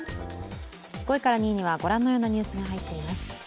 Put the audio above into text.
５位から２位にはご覧のようなニュースが入っています。